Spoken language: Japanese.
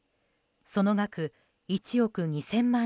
その額、１億２０００万円。